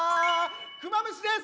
クマムシです！